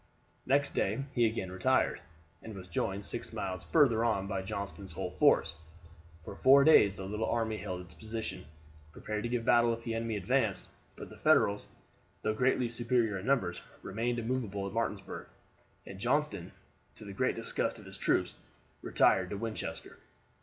Next day he again retired, and was joined six miles further on by Johnston's whole force. For four days the little army held its position, prepared to give battle if the enemy advanced; but the Federals, though greatly superior in numbers, remained immovable at Martinsburg, and Johnston, to the great disgust of his troops, retired to Winchester.